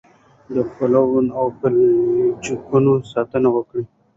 د پلونو او پلچکونو ساتنه وکړئ.